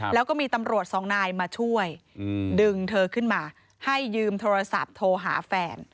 แล้วก็มีตำรวจสองนายมาช่วยดึงเธอขึ้นมาให้ยืมโทรศัพท์โทรหาแฟน